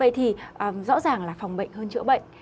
vậy thì rõ ràng là phòng bệnh hơn chữa bệnh